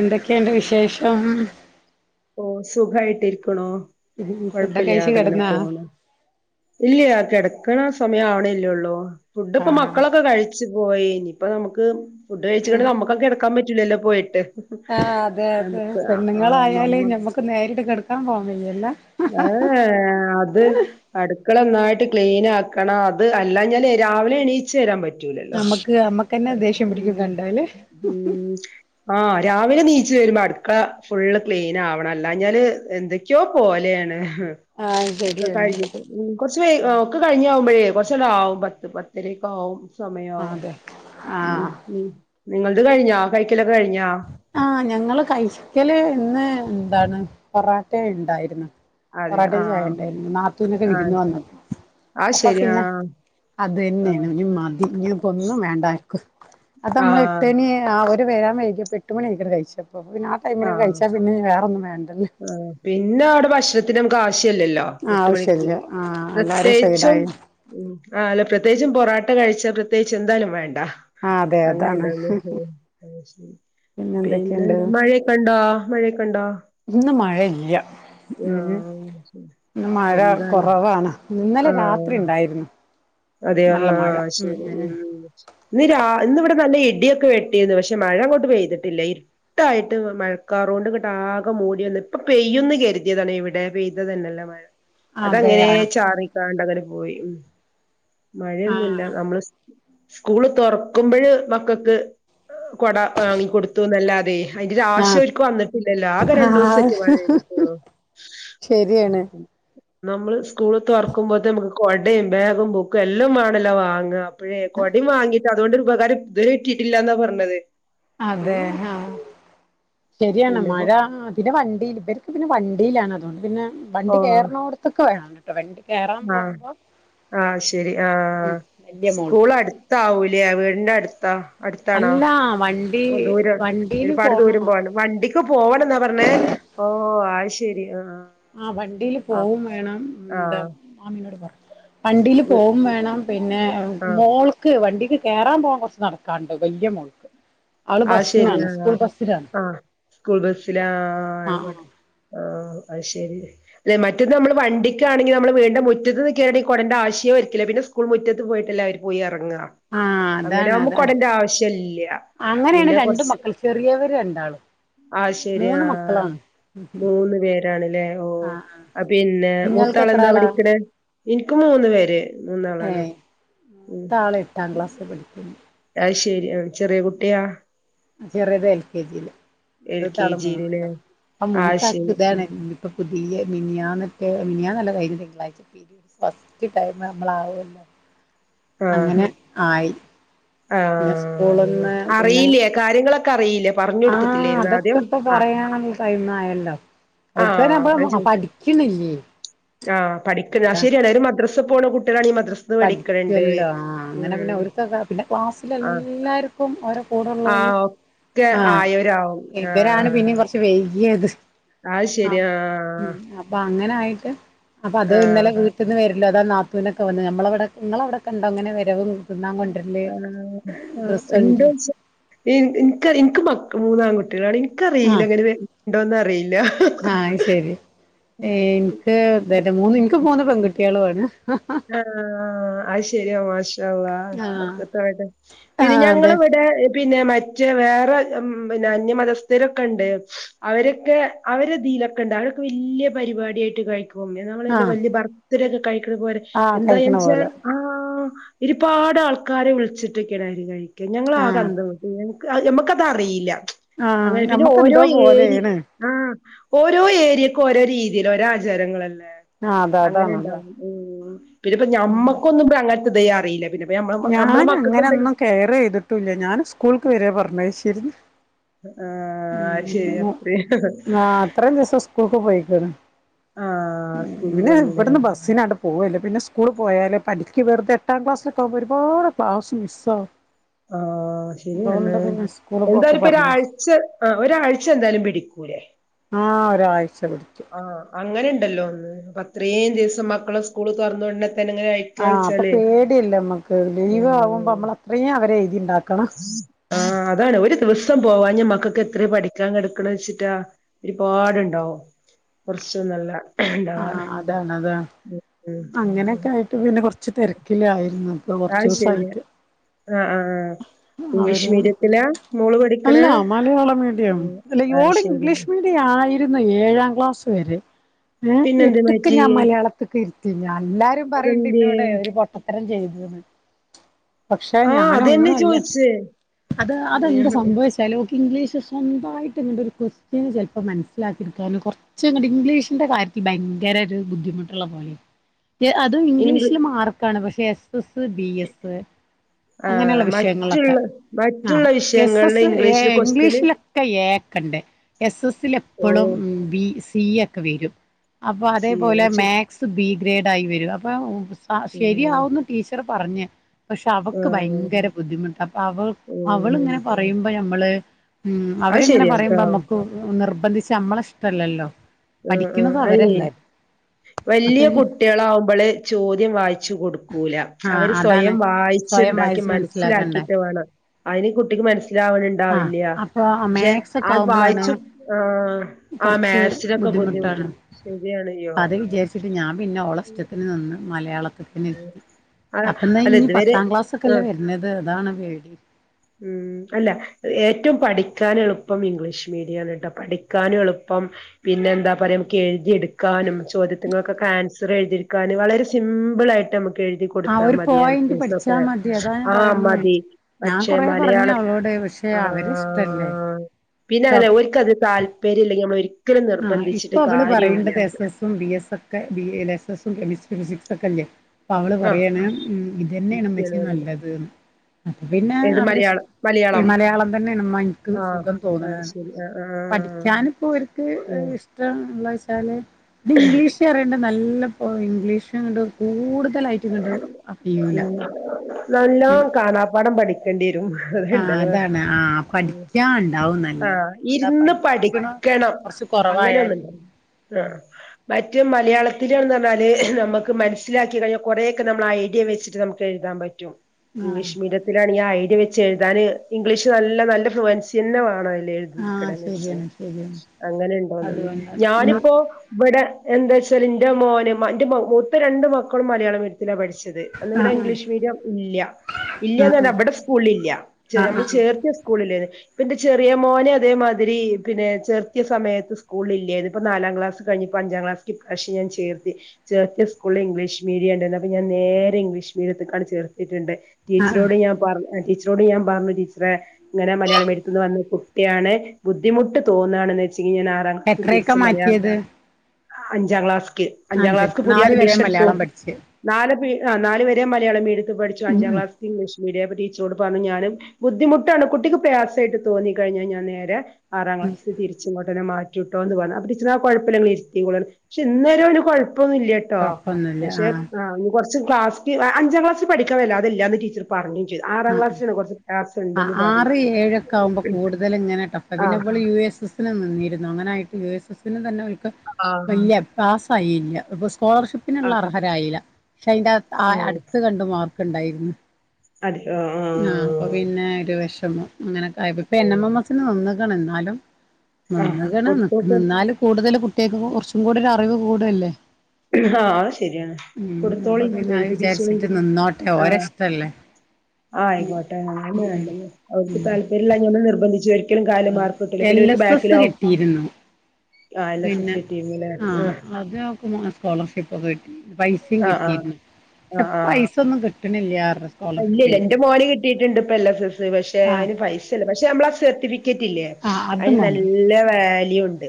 എന്തൊക്കെണ്ട് വിശേ ശേഷം അഹ് ആഹ് ഓ സുഖായിട്ടിരിക്ക്ണോ ഫുഡൊക്കെ കഴിച്ച് കൊഴപ്പില്ലാതങ്ങനെ കിടന്നാ പോണ് ഇല്ല്യ കിട ക്കണ ആ സമയം ആവണല്ലേള്ളൂ ഫുഡ്ഡ് ഇപ്പ ആഹ് മക്കളൊക്കെ കഴിച്ചു പോയി ഇനിയിപ്പ നമുക്ക് ഫുഡ്കഴിച്ചട്ട് നമ്മുക്കു കെടക്കാ ഇല്ലല്ലൊ പോയിട്ട് ആഹ്അതെ അതെ നമുക്ക് ആ പെണ്ണുങ്ങളായാലേ നമ്മ നമ്മക്ക് നേ ഇട്ടിട്ട് കെടക്കാൻ പോവാൻ വെയല്ലൊ ഏ അത് അടു ക്കള നന്നായിട്ട് ക്ലീൻആക്കണം അത് അല്ലാഞ്ഞാല് രാവിലെ എണീച്ചു വരാൻ പറ്റ് റ്റൂലല്ലൊ നമ്മക്ക് നമ്മക്കന്നെ അട്പ്പ് ദേഷ്യം [unintelligible] പിടിക്കും ഉം കണ്ടാല് ഉം ആഹ് രാവിലെ നീച്ചു വരുമ്പോ അടുക്കള ഫുള്ള് ക്ലീൻ ആവണം അല്ലഞ്ഞാല് എന്തൊക്കെയോ പോലേണ് ഉം ആഹ് ഒക്കെ ശരിയാണ് കഴിഞ്ഞിട്ട് ഉം കൊറ്ച്ച് വൈ [unintelligible] മ്പഴേ കൊർച്ചതാവും പത്ത് പത്തരക്കാവും ചൊമയോ ആഹ് അതെ ഉം ആഹ് ഉം നിങ്ങള്ത് കഴിഞ്ഞോ കഴിക്കലൊ ആ ഞങ്ങള് കഴിക്കല് ഇന്ന് എന്താണ് പൊറാട്ടെ ഇണ്ടായിരുന്നു അതെ പൊറാട്ടിം ആഹ് ചായണ്ടായിനി നാത്തൂനൊക്കെ ആഹ് വിരുന്ന് അത് വന്നപ്പൊ ശരി പിന്നെ ആഹ് അതന്നേണ് ഇനി മതി ഇനി ഇപ്പോ ഒന്നും വേണ്ട ആർക്കും അത് ആഹ് അമ്മള് ആഹ് എട്ടണി ആവു വര് വരാൻ വയ്കും പെട്ടുമണി ആയ്ക്ണ് കഴിച്ച അപ്പൊ പിന്നെ ആ ടൈമില് ആഹ് കഴിച്ചാ പിന്നെ വേറൊന്നും വേണ്ടല്ലേ ത്തിനും കാ ശ്യല്ലല്ലോ എട്ട് മണിക്ക് ആ എല്ലാരും പ്രത്യേകിച്ചും സൈഡായി ആല്ല പ്രത്യേകിച് പെറാട്ട കഴിച്ചാ പ്രത്യേകിച്ച് എന്തായാലും വേ ട ആ അതെ അതാണ് അങ്ങനെണ്ടാര്ന്നു പിന്നെ മഴ കണ്ടോ മഴയകണ്ടോ ഇന്ന് മഴയില്ല ഇന്ന് മഴ എന്താലേ കൊറവാണ് ഇന്നലെ രാത്രിണ്ടായിരുന്നു അതെ ആ ശരി ഉം ഇന്ന് രാ ഇന്ന് ഇവിടെ നല്ല ഇടിയൊക്കെ വെട്ടിന്ന് പക്ഷെ മഴ അങ്ങോട്ട് പെയ്തിട്ടില്ല ഇരുട്ടായിട്ട് മഴക്കാറോണ്ട് ഇങ്ങട്ട് ആകെ മൂടി വന്ന് ഇപ്പൊ പെയ്യുന്ന് കരുതിയതാണ് ഇവിടെ പെയ്തത് തന്നല്ല മഴ അതങ്ങനേ അതെയാ ചാറി താണ്ടവരെ പോയി ഉം ആ മഴയൊന്നുല്ല അമ്മള് സ് സ്കൂള് തൊർക്കുമ്പഴ് മക്കക്ക് കൊട വാങ്ങി കൊടുത്തുന്നല്ലാ തെയ് അയ്ന്റൊരു ആ ആശ്യോർക്ക് വന്നിട്ടില്ലല്ലോ ആകെ ആ രണ്ടുസറ്റെ മഴ പെയ്തിട്ടുള്ളൂ ശരിയാണ് നമ്മള് സ്കൂളതൊർക്കുമ്പോത്ത് നമക്ക് കൊടിം ബാഗിം ബു എല്ലാം മാണല്ലോ വാങ്ങ ഇപ്പഴേ കൊടിം വാങ്ങീട്ട് അതുകൊണ്ട് ഉപകാരം ഇതുവരെട്ടിട്ടില്ലാന്നാ പറഞ്ഞത് അതെ ആ ശരിയാണ് പിന്നെപ്പോ മഴ പിന്നെ വ ടി ഇവർക്ക് പിന്നെ വണ്ടീലാണ് അതുകൊണ്ട് പിന്നെ ഓ വണ്ടി കേർണോട്ത്ത്ക്ക് വരണം ആഹ് ആഹ് ശരി. ആ ഉം ആ വല്യ മോൾക്ക് സ്കൂളടുത്താവു ല്യാ വീടിന്റെ അടുത്താ അടുത്താണോ അല്ല വണ്ടി ഓ ദൂരം ഒരുപാട് ദൂരം പോണം. വണ്ടിക്ക് പോണംന്നാ പറഞ്ഞേ ഓഹ് അയ് ശരി ആ ആ വണ്ടീല് പോവും വേണം. ന്താ ആഹ് ആമിനോട് പറ വണ്ടീല് പോവും വേണം. പിന്നെ ഏ ആഹ് മോൾക്ക് വണ്ടീക്ക് കേറാൻ പോവ കൊറച്ച് നടക്കാണ്ട് വല്യ മോൾക്ക് അവള് അത് ശരി ബസ്സിനാണ്. സ്കൂൾ ആഹ് ബസ്സിലാണ്. ആഹ് സ്കൂൾ ബസ്സി ലാ അയ്കോട്ടെ ആഹ് അത്ശരി. ലേ മറ്റത് നമ്മള് വണ്ടിക്കാണെങ്കി നമ്മള് വീടിന്റെ മുറ്റതന്ന് കേറി കൊടന്റെ ആവശ്യോരികില്ല. പിന്നെ സ്കൂൾ മുറ്റത്ത് പോയിട്ടല്ലേ അവര് പോയി എ റങ്ങാ ആ അതാണ് അങ്ങനാവുമ്പൊ അതാണ് കൊടന്റെ ആവശ്യല്ലാ അങ്ങനെയാണ് പിന്നെ രണ്ട് കൊറച്ച് മക്കൾ ചെറിയവര് രണ്ടാളും അത്ശരി മൂന്ന് ആഹ് മക്കളാണ് മൂന്ന് പേരാണ്ലേ. ഓഹ് ആ ആ അ പിന്നെ നിങ്ങൾക്ക് എത്ര മൂത്താളെന്താ പഠിക്ക്ണ് ഇൻക്ക് മൂന്ന് പേര് മൂന്നാളാണ് ഏയ് ഉം മൂതാള് എട്ടാം ക്ലാസി പഠിക്കുന്നു അത് ശരി ആഹ് ചെറിയ കുട്ടി ട്ടിയാ ചെറിത് എൽ. കെ ജീല് എൽ കെ നടൂതാള് ജിയില് മൂന്നില ആ ആഹ് മൂത്താക്ക് ശരി ഇതാണ് ഇപ്പൊ പുതിയ മിനിയാന്നറ്റെ മിനിയാന്നല്ല കഴിഞ്ഞ തിങ്കളാഴ്ച പിരിയേട്സ് ഫസ്റ്റ് ടൈം മ്മളാവോ ആഹ് അങ്ങനെ ആയി ന്നെ സ്കൂള്ന്നാ പിന്നെ ക്കറിയില്ലെ ആഹ് അതൊക്കെ ഇപ്പൊ പറയണം ടൈമായാല് ലാ ആഹ് അതാൻചോയ്ചെ ആഹ് പഠിക്ക്ന്നെ അത് ശരിയാണ് ഒരു മദ്രസ ചെപോണ കുട്ട്യാളാണീ മദ് പഠിക്കല്ലോ ആഹ് അങ്ങനെ പിന്നെ ഓർക് പിന്നെ ആഹ് ക്ലാസ്സിലെല്ലാർക്കും ഓരോ കൂടെള്ളോല് ആഹ് ഒക്കെ ആഹ് ആയവരാവും ഇബരാണ് ആഹ് പിന്നെ കൊറച്ച് വയ് യേത് അത് ശരി ആഹ് ഉം അപ്പൊ അങ്ങനായിട്ട് അപ്പൊ അത് ആഹ് ഇന്നലെ വീട്ട്ന്ന് വരും ഇല്ലത നാത്തൂന്റക്ക് വന്ന് നമ്മ നമ്മളിവ്ടെ ഇങ്ങളവ്ടെക്കണ്ടോ ഇങ്ങനെ വരവും തിന്നാൻ കൊണ്ടരല് ആ ഡ്രസ്സ് എന്തോ കൊണ്ടര സ് ഇ ഇൻക്ക് ടീ ഇൻക്ക് മക്ക മൂന്നാൻകുട്ടികളാടി ക്ക അറിയില്ല ആഹ് അങ്ങന വര് ന്താന്ന് അറിയില്ല ആഹ് അയ്ശരി ഏ എനിക്ക് അതേല്ലെ മൂന്ന് ഇൻക്ക് മൂന്ന് പെൺകുട്ട്യാളും ആണ് ആ അത്ശരിയാ മാഷാഅള്ള ആഹ് ബർക്കത്താവട്ടെ പിന്നെ ആഹ് ഞങ്ങളെ അതെ ഇവിടെ പിന്നെ മറ്റേ വേറെ ഉം പിന്നെ അന്യമതസ്ഥരൊക്കെ ഉണ്ട് അവരൊക്കെ അവരെതിലൊക്കെ ഉണ്ട് അവരൊക്കെ വലിയ പരിപാടിയായിട്ട് കഴിക്കും ഉം [unintelligible] ആഹ് വല്ല്യ പർ രൊക്കെ കഴിക്കണ പോൽ ആഹ് എന്താ കഴിക്കണ ആയിച്ചാ പോലെ ആ ഒരുപാട് ആൾക്കാരെ വിളിച്ചിട്ടൊക്കെ അവര് കഴിക് ക്കാ ഞങ്ങളാകെ ആഹ് അന്തംവിട്ട് ആ ഇമ്മക്കത് അറിയില്ല ആഹ് അങ്ങനെ പിന്നെ ഞമ്മക്ക് ഓരോ എന്തോ ഏരി പോലെയാണ് ആ ഓരോ ഏരിയക്കും ഓരോ രീതിയിൽ ഓരോ ആചാരങ്ങളല്ലേ ആഹ് അതാ അതാണ് അതാ അങ്ങനെണ്ടാവും ഉം പിന്നെപ്പം ഞമ്മക്കൊന്നും ഇബ്ടെ അങ്ങൻ തെയ്യാൻ അറിയില്ല പിന്നെപ്പ് ഞാൻ അങ്ങനൊന്നും കെയർ ചെയ്തിട്ടൂല്ല ഞാൻ സ്കൂൾക്ക് വെര്വാ പറഞ്ഞു [unintelligible] ഉം ആഹ് അത് ശരിയാ അങ്ങനെ ആ ഇത്രയും ദിവസം സ്കൂൾക്ക് പോയി പറ ആഹ് സ്കൂളിൽ പിന്നെ പോയിനില്ലേ ഇവിടന്ന് ബസ്സിനാണ്ട് പോവല്ല പിന്നെ സ്കൂള് പോയാല പഠിക്ക് വെറുതെ എട്ടാം ക്ലാസ്സിലൊക്കെ ആകുമ്പോ ഒരുപാട് ക്ലാസ് മിസ്സാവും ആഹ് ശരിയാണ് അതുകൊണ്ട് പിന്നെ സ്കൂള് പോക്ക് എന്താലുംപ്പൊ പറഞ്ഞയച്ചു ഒരാഴ്ച ആ ഒരാഴ്ച എന്തായാലും പിടിക്കൂലേ ആ ഒരാഴ്ച പിട് ആഹ് അങ്ങനെ ഉണ്ടല്ലോ ഒന്ന് അപ്പൊ അത്രയും ദിവസം മക്കളെ സ്കൂള് തൊറന്നൊടനെ ആഹ് അപ്പൊ പേടിയല്ലേ മ്മക്ക് ലീവ് ഉം ആവുമ്പോ നമ്മൾ അത്രയും അവരെയെ [unintelligible] ആഹ് അതാണ് ഒരു ദിവസം പോവാഞ്ഞാ മക്കക്കെത്രയാ പഠിക്കാൻ കിടുക്കണ വെച്ചിട്ടാ ഒരുപാടുണ്ടാവും കൊറച്ചൊന്നുവല്ല ആ അതാണ് അതാ ഉം അങ്ങനെക്കെ ആയിട്ട് പിന്നെ കൊറച്ച് കൊറച്ച് തെരക്കിലായിരുന്നു ഇപ്പോ കൊറച്ച് അത് ശെരിയാ ദെവെസായിട്ട് ആഹ് ആഹ് ഉം ഇംഗ്ലീഷ് അവര് മീഡിയത്തിലാ മോള് പഠിക്കണേ അല്ല മലയാളം മീഡിയം ഉം തല്ല അത് ഓള് ശെരി ഇംഗ്ലീഷ് മീഡിയം ആയി ര്ന്ന് ഏഴാം ക്ലാസ് വെരെ യെ പിന്നെന്തേ എട്ട്ക്ക് മാറ്റി ഞാൻ മലയാളത്ത്ക്ക് ഇര് എല്ലാരും പറയിണ്ട് അതെന്തേ എന്നോടെ ഒര് പൊട്ട തരം ചെയ്ത്ക്ക്ന്ന് പക്ഷെ ആഹ് ഞാൻ ഒന്നു അതന്നെ അല്ലാ ചോയിച്ചേ അത് അതെന്താ സംഭവിച്ചാലും ഇംഗ്ലീഷ് സ്വന്തായിട്ട് ഇങ്ങണ്ട് ഒര് കോസ്റ്റ്യൻ ചൊലപ്പോ മനസ്സിലാക്കി ട്ക്കാന് കൊറച്ച് ഇങ്ങട്ട് ഇംഗ്ലീഷിന്റെ കാര്യത്തി ഭയങ്കര ഒര് ബുദ്ധിമുട്ട്ള്ള പോലെ [unintelligible] അതും ഇംഗ് ഇംഗ്ലീഷില് മാർക്കാണ് പഷ് yes S S, B S ആഹ് അങ്ങനെയെള്ള വിഷയങ്ങൾലൊക്കെ മറ്റുള്ള ആ മറ്റുള്ള എസ് വിഷയങ്ങളില് എസ് എ ഇംഗ്ലീഷില് ക്വസ്റ്റ്യന് ഇംഗ്ലീഷിലൊക്കെ എ യെക്കണ്ട്. എസ് എസ് സ് ല് എപ്പളും ഓഹ് ബി, സി സീയെക്കെ വെരും അപ്പൊ അതേപോലെ സീനച്ചു മാക്സ് ബീ ഗ്രേഡ് ആയി വെരും അപ്പം [unintelligible] സ ഉം ശെരിയാവുന്ന് ടീച്ചർ പറഞ്ഞ് പശേ അവ ആഹ് ഭയങ്കര ബുദ്ധിമുട്ടാ അപ്പം അവക ഉം അവളിങ്ങനെ പറയുമ്പോ നമ്മള് ഉം അത് അവരിങ്ങനെ ശെരിയാട്ടോ പറയുമ്പോ നമ്മക്ക് നിർ സംബന്ധിച്ച് നമ്മളാ ഇഷ്ടലാല്ലോ ആ ആ അപ്പൊ വല്യായ ഈ കുട്ടികളാമ്പള് ചോദ്യം വായിച്ച് കൊടുക്കൂല ആ അവര് അതാണ് സ്വയം വായി സ്വയം ച്ചിണ്ടാക്കി വായിച്ച് മനസ്സിലാക്കണ്ടേ മനസ്സിലാക്കിയിട്ട് വേണം അയിന് കുട്ടിക്ക് മനസി ആ മനസ്സിലാവ്ണ്ണ്ടാവില്ല അപ്പൊ പക്ഷേ മാത്സ് അത് ഒക്കെ അത് വായിച്ച് ആവുമ്പോളാണ് ആ ആ മാക്സ് ട്ടാണ് അത് വിചാരിച്ചിട്ട് ഞാൻ പിന്നെ ഓളെ ഇഷ്ടത്തിന് നിന്ന് മലയാളം ത്ത്ന് അതാ അപ്പന്നാ അല്ല ഇഞ്ഞ് ഇതുവരെ പത്താം ക്ലാസ് ഒക്കെല്ലേ ആ വര്നത് അതാണ് പേടി ഉം അല്ല ഏറ്റവും പഠിക്കാന എളുപ്പം ഇംഗ്ലീഷ് മീഡിയം കേട്ടോ പഠിക്കാൻ എളുപ്പം പിന്നെ എന്താ പറയാ നമുക്ക് എഴുതിയ എടു ക്കാനും ചോദി റ്റങ്ങൾക്കൊക്കെ ആൻസർ എഴുതിരിക്കാന് വളരെ സിമ്പിളായിട്ട് അമ ക്ക് എഴ്‌തി ആ കൊട്ത്താ ഒരു മതി പോയിന്റ് പഠിച്ചാ ആൻസേഴ്സൊക്കെ, മതി അതാ ഞാൻ ആ പറയുന്നേ മതി. ഞാൻ കൊറേ മലയാള പറഞ്ഞവളോട് പക്ഷെ ആഹ് അവരെഷ്ടല്ലേ പിന്നെ അങ്ങനെ ഒരേകാത്ത താല്പര്യല്ലെങ്കി നമ്മളൊ ഓ ആ ഇപ്പൊ അവള് പറയേണ്ടത് എസ് എസും ബി എസ് ഒക്കെ ബി അല്ല എസ് എസ് കെമിസ്ട്രി ഫിസിക്സൊക്കെല്ലെ പ്പൊ അവള് ആഹ് പറയാണ് ഇതന്നേണിമ്മച്ചിയെ നല്ലതന് അത് പിന്നെ ഏത് മലയാളം അവരെഷ് മലയാളം തന്നെയണമ്മൻക്ക് ആഹ് സുഖം അത് തോന്നണെന്ന് ശരി ആഹ് ആഹ് ആഹ് പഠിക്കാനിപ്പോ ഒരു ഉം [unintelligible] ഇഷ്ടം എന്താ വെച്ചല്ലേ ഇത് ഇംഗ്ലീഷേ അറിയണ്ട നല്ല ല്ലപ്പോ ഇംഗ്ലീഷ്ങ്ങ്ട് കൂടുതലായിട്ടും ങ്ങണ്ട് അഇയൂല ഉം നല്ലോം കാണാം പാടം പഠി കണ്ടി വരും അതെ ആഹ് ഇണ്ടാവാ അതാണ് ആഹ് പഠിക്കാൻ ഉണ്ടാവും ആ നല്ല അതാ ഇര്ന്ന് പഠിക്കണ പഠിക്കണം കൊറച്ച് കൊറവായാല് അങ്ങനെന്ന്ണ്ട് ആ മറ്റ മലയാള [unintelligible] റഞ്ഞാല് നമക്ക് [unintelligible] സിലാക്കഴിഞ്ഞ കുറേൊക്കെ നമ്മളെ ഐഡിയ വെച്ച് നമക്ക് എഴുതാൻ പറ്റും ആഹ് ആഹ് ഇംഗ്ലീഷ് മീഡിയത്തിലാണ് ഐ ഇ വെച്ച് എഴുതാന് ഇംഗ്ലീഷ് നല്ല നല്ല ഫ്രൂവൻസിയന്നെ വേണ [inaudible] ആഹ് ശരിയാണ് ശരിയാണ് അങ്ങനെണ്ടോന്ന് അതുകൊണ്ട് ഞാനിപ്പോ ഇവിടെ എന്താ വെച്ചാൽ ന്റെ മോന് മ ന്റെമ മൂത്ത രണ്ട് മ ക്കളും മലയാള മിഡിയത്തില്ല പഠ്ച്ച് ത് അന്ന് വടെ ആഹ് ഇംഗ്ലീഷ് മീഡിയം ഇല്ല ആഹ് ആഹ് ഇല്ലന്നർഞ്ഞ വടെ സ്കൂളില്ല ചെ നമ്മള് ആഹ് ചേർത്തിയ സ്കൂള്ല് ഇപ്പന്റെ ചെറിയ മോനെ അതേമാതിരി പിന്നെ ചെർത്തിയ സമയത്ത് സ്കൂളില്ലേന്ന് പ്പൊ നാലാം ക്ലാസ് കഴിഞ്ഞപ്പോ അഞ്ചാം ക്ലാസ് ഇപ്രാവശ്യം ഞാൻ ചേർത്തി ചേർത്തിയ സ്കൂളിൽ ഇംഗ്ലീഷ് മീഡിയണ്ട്ന്ന് അപ്പോ ഞാ നേരെ ഇംഗ്ലഷ് മീഡിയത്ത്ക്കാണ്ട് ചേർത്തിട്ട്ണ്ട് ആഹ് ആഹ് ടീച്ചറോട് ഞാൻ പർഞ ടിച്ച് റോട് ഞാൻ പറഞ്ഞു ടീച്ചറെ ഇങ്ങനെ മലയാളം മീഡിയത്തിന്നു വന്ന കുട്ടിയാണ് ബുദ്ധിമുട്ട് തോന്നാണെന്ന് ച്ച് ഞാൻ ആറാം ക്ലാസ് എത്രയൊക്കെ തിരിച്ച് മലയാ മാറ്റിയത് അഞ്ചാം ക്ലാസ് ക്ക് അഞ്ചാം അഞ്ച് ക്ലാസ്ക്ക് പുതിയ നാല് വരെ അഡ്മിഷൻ എടുത്തു മലയാളം പഠിച്ച് നാല് പി ആ നാല് വരെ മലയാളം മീഡി പഠിച്ചു അഞ്ചാം ക്ലാസ്സിൽ ഇംഗ്ലീഷ് മീഡിയ പ ടീച്ചറോട് പറഞ്ഞു ഞാനും ബുദ്ധിമുട്ടാണ് കുട്ടിക്ക് പ്രയാസായിട്ട് തോന്നി കഴിഞ്ഞാ ഞാൻ നേരെ ആറാം ക്ലാസ് തിരിച്ചിങ്ങോട്ടന്നെ മാ റ്റിട്ടോന്ന് പറഞ്ഞ് അപ്പം ടീച്ചറ് ആ കുഴപ്പില്ല നിങ്ങള് ഇരുത്തിക്കോളാൻ പക്ഷെഎന്നേരം ഒരു കൊഴ കൊഴപ്പൊന്നും ഇല്ല കേട്ടോ കൊഴപ്പൊന്നുല്ല ആഹ് [unintelligible] ആ കുറച്ച് ക്ലാസ് [unintelligible] അഞ്ചാം ക്ലാസ്സ്‌ പഠിക്കാൻ അതില്ലാന്ന് ടീച്ചറ് പറഞ്ഞ് ആ ആ ആറ് ഏഴൊക്കെ ആവുമ്പോ പറഞ്ഞു കൂടുതല് ഇങ്ങനെ ടഫാ പിന്നെ ആഹ് നമ്മള് യു എസ് എസ് നിന്നിരുന്നു അങ്ങനെയായിട്ട് യു എസ് എസി ന് തന്നെ ആഹ് വെല്യ പ്രാസ് കഴിയില്ല [unintelligible] സ്കോളർഷിപ്പിനുള്ള ആഹ് അർഹരായില്ല പക്ഷെ അതിന്റെ ആ ആഹ് അടുത്ത് രണ്ടു മാർ കൊണ്ടായിരുന്നു അതെ ആഹ് ആഹ് അപ്പൊ പിന്നെ ഒരു വിഷമം അങ്ങനൊക്കെ ആയപ്പോ ഇപ്പൊ എൻ എം ആഹ് എം എസ്സിന് വന്ന് ന്നാണ് എന്നാലും ആഹ് കൊടുത്തോക്ക് [unintelligible] എന്നാലും കൂടുതല് കു കേക്കുമ്പം കുറച്ചും കൂടെ ഒരു അറിവ് കൂടുവല്ലേ ആ അത് ശരിയാണ് അപ്പൊ കൊടുത്തോളി പിന്നെ അത് എഴുതിപ്പിച്ചോളി വിചാരിച്ചിട്ട് നിന്നോട്ടെ ഓരെ ആഹ് ഇഷ്ടല്ലേ ആ ആയിക്കോട്ടെ അതാണ്‌ ഉം വേണ്ടത് അവർക്ക് താല്പര്യമില്ലാഞ്ഞാ നിർബന്ധിച്ച് ഒരിക്കലും കാല് ആഹ് മാർക്ക് കിട്ടില്ല എൽ പിന്നെ എസ് എസ് ബാക്കിലാവും കിട്ടിയിരുന്നു ആഹ് എൽ എസ് എസ് പിന്നെ കിട്ടിയിരുന്നുല്ലേ ആഹ് അത് അവക്ക് മാ സ്കോളർഷിപ്പ് ഒക്കെ പൈസയും ആഹ് ആഹ് കിട്ടിരുന്നു പക്ഷെ ആഹ് ആഹ് പൈസ ഒന്നും കി ഇല്ലില്ല എന്റെ മോന് കിട്ടിയിട്ടുണ്ട് ഇപ്പം എൽ എസ് എസ് പക്ഷെ ആഹ് അതിന് പൈസയില്ല പക്ഷെ നമ്മള് ആ സർട്ടിഫി ക്കറ്റില്ലേ ആഹ് അതും അതിന് മതി നല്ല വാ ലുഉണ്ട്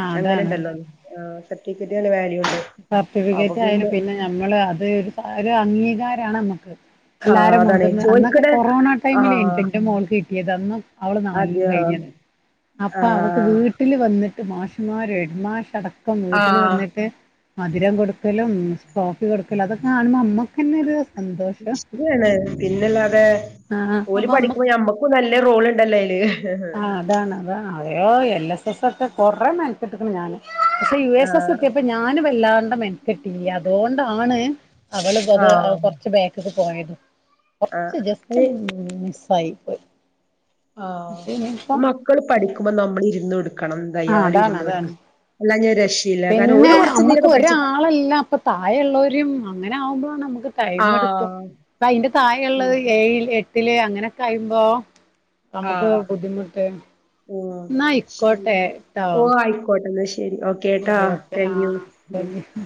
ആഹ് അങ്ങനെ അതാണ് അതാണ് ഉണ്ടല്ലോ ആ സർട്ടിഫിക്കറ്റിന് നല്ല വാല്യു സർട്ടിഫിക്കറ്റ് ആയാൽ പിന്നെ നമ്മള് അത് അംഗീകാര കാരമാണ്നമുക്ക് ആ എല്ലാരും അതാണ് മുൻപിന്ന് അന്നൊക്കെ ചോയ്ക്കട് കൊറോണ ആ ടൈമിലന്റെ മോൾക്ക് കിട്ട ഇതൊന്നും അവള് നാല് അത് കഴിഞ്ഞത് ആ അപ്പൊ അവൾക്ക് വീട്ടിൽ വന്നിട്ട് മാഷുമാര് ഹെഡ് മാഷ് അടക്കം ഇപ്പം ആ വീട്ടില് വന്നിട്ട് മധുരം കൊടു ക്കലും കോഫി കൊടുക്കലും അതൊക്കെ കാണുമ്പോൾ അമ്മ പിന്നെ ഇത് ഇഷ്ടാണ് പിന്നല്ലാതെ ആഹ് ഓല് അപ്പൊ അമ്മക്ക് പഠിക്കുമ്പം ഞമ്മക്കും നല്ല റോള്ണ്ടല്ലയ്ല് ആഹ് അതാണ് അതാണ് അ അതെയോ എല്ലെസ്സെസ്സാെക്കെ കാെറേ മെൻക്കെട്ട്ക്ക്ണ് ഞാന് പക്ഷെ ആ യുഎസ്സെസ്സ് എത്തിയപ്പൊ ഞാന് വല്ലാണ്ട് മെൻകെട്ടില്ല്യ അതോണ്ടാണ് അവളത് അത് ആ കൊർച്ച് ബേക്ക്ക്ക് പോയത് ആ കൊർച്ച് ജസ്റ്റ് ഈ മിസ് ആയിപ്പോയ് ആഹ് മക്കള് പഠിക്കുമ്പം നമ്മള് ഇര്ന്ന് കൊട് ക്കണം ആഹ് ന്തായാലും അതാണ് ഇര്‌ന്നോൽക്ക് അതാണ് അല്ലാഞ്ഞ്യാ പിന്നെ അമ്മക്ക് ഒരാളല്ല അപ്പൊ താഴെള്ളാേരിം മ ങ്ങനെ ആവുമ്പളാണമ്മ ക്ക് ആ ടൈമെട്ക്കും പ്പൊ അയ്ന്റെ ഉം താഴെള്ളത് ഏഴിൽ എ ത്തില് അങ്ങനെക്കെ ആയുമ്പോ ആ നമ്ക്ക് ബുദ്ധിമുട്ട് ഓ ന്നാ ശരി അയ്ക്കോട്ടെ ട്ടോ ഓ ആയിക്കോട്ടെ എന്നാ ശരി ഓക്കേ ട്ടോ ശരി ഓക്കെ ആ താങ്ക് യു താങ്ക് യു